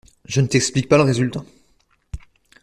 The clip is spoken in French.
Je ne t’explique pas le résultat!